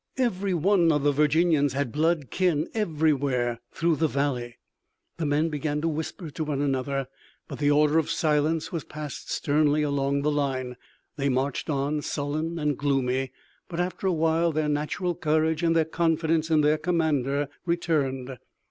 Every one of the Virginians had blood kin everywhere through the valley. The men began to whisper to one another, but the order of silence was passed sternly along the line. They marched on, sullen and gloomy, but after a while their natural courage and their confidence in their commander returned.